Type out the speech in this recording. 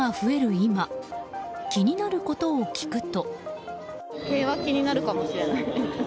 今気になることを聞くと。